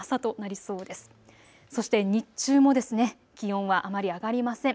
そして日中も気温はあまり上がりません。